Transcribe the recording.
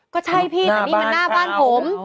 ก็ใช่พี่แต่นี่มันหน้าบ้านผม